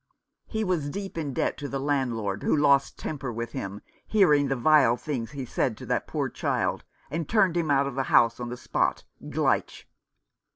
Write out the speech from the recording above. He was deep in debt to the landlord, who lost temper with him, hearing the vile things he said of that poor child, and turned him out of the house on the spot — gleich